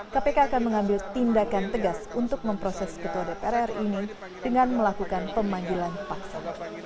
kpk akan mengambil tindakan tegas untuk memproses ketua dpr ri ini dengan melakukan pemanggilan paksa